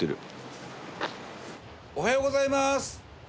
おはようございます！